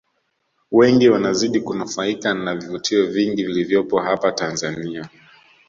Wengi wanazidi kunufaika na vivutio vingi vilivyopo hapa Tanzania